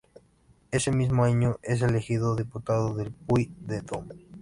Ese mismo año es elegido diputado del Puy-de-Dôme.